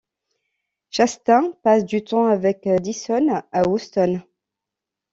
Chastain passe du temps avec Dyson à Houston.